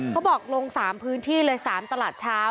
เขาบอกลง๓พื้นที่เลย๓ตลาดเช้า